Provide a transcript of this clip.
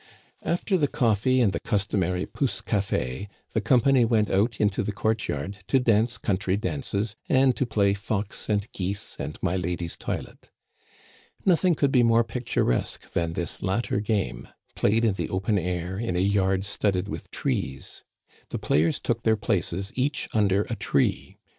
After the coffee and the customary pousse café the company went out into the court yard to dance country dances and to play fox and geese and my lady's toilet. Nothing could be more picturesque than this latter game, played in the open air in a yard studded with trees. The players took their places each under a tree.